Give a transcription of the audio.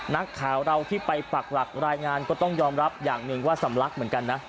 นักข่าวเราที่ไปปักหลักรายงานก็ต้องยอมรับอย่างหนึ่งว่าสำลักเหมือนกันนะ